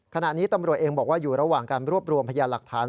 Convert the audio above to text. ขณะนี้ตำรวจเองบอกว่าอยู่ระหว่างการรวบรวมพยานหลักฐาน